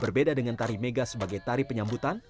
berbeda dengan tari mega sebagai tari penyambutan